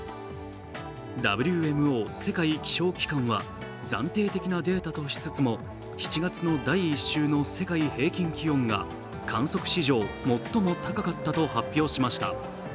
ＷＭＯ＝世界気象機関は暫定的なデータとしつつも７月の第１週の世界平均気温が観測史上最も高かったと発表しました。